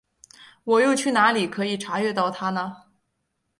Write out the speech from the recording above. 我又去哪里可以查阅到它呢？